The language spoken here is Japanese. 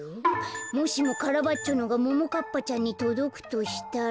もしもカラバッチョのがももかっぱちゃんにとどくとしたら。